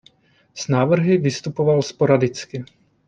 S návrhy vystupoval sporadicky.